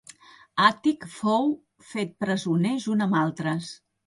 Àtic fou fet presoner junt amb altres.